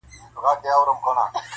له هر چا نه اول په خپل ځان باور ولره,